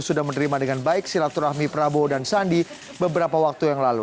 sudah menerima dengan baik silaturahmi prabowo dan sandi beberapa waktu yang lalu